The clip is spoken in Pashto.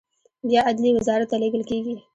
بیا عدلیې وزارت ته لیږل کیږي.